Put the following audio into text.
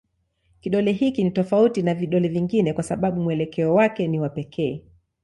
Kidole hiki ni tofauti na vidole vingine kwa sababu mwelekeo wake ni wa pekee.